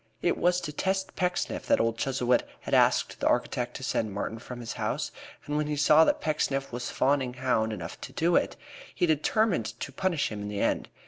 It was to test Pecksniff that old Chuzzlewit had asked the architect to send Martin from his house, and when he saw that Pecksniff was fawning hound enough to do it, he determined to punish him in the end.